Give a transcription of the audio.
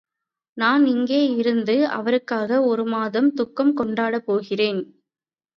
நான் இங்கேயேயிருந்து அவருக்காக ஒருமாதம் துக்கம் கொண்டாடப் போகிறேன்.